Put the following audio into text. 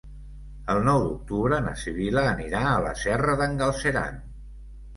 El nou d'octubre na Sibil·la anirà a la Serra d'en Galceran.